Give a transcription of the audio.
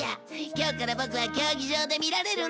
今日からボクは競技場で見られるんだから。